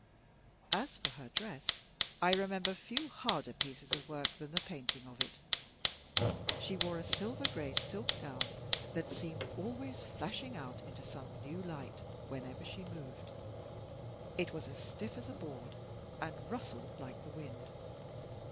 As for her dress, I remember few harder pieces of work than the painting of it. She wore a silver gray silk gown that seemed always flashing out into some new light whenever she moved. It was as stiff as a board, and rustled like the wind.